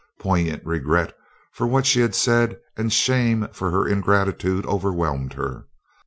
Poignant regret for what she had said and shame for her ingratitude overwhelmed her.